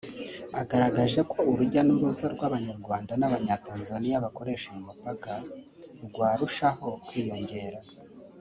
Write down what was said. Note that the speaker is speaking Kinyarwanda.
agaragaje ko urujya n’uruza rw’Abanyarwanda n’Abanyatanzaniya bakoresha uyu mupaka rwarushaho kwiyongera